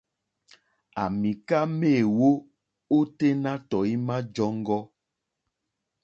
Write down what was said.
À mìká méèwó óténá tɔ̀ímá !jɔ́ŋɡɔ́.